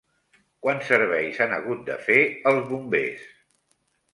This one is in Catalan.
Quants serveis han hagut de fer els Bombers?